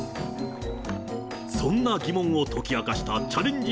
そんな疑問を解き明かしたチャレンジ